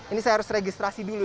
ini saya harus registrasi dulu